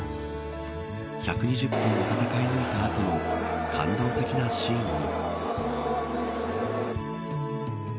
１２０分を戦い抜いた後の感動的なシーンに。